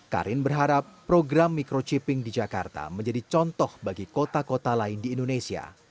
karin berharap program microchipping di jakarta menjadi contoh bagi kota kota lain di indonesia